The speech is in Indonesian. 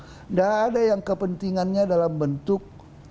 tidak ada yang kepentingannya dalam bentuk